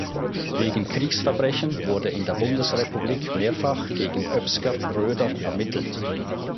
Wegen Kriegsverbrechen wurde in der Bundesrepublik mehrfach gegen Oebsger-Röder ermittelt.